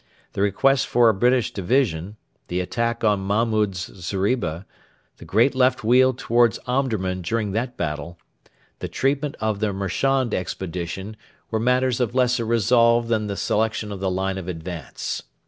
The request for a British division, the attack On Mahmud's zeriba, the great left wheel towards Omdurman during that battle, the treatment of the Marchand expedition, were matters of lesser resolve than the selection of the line of advance.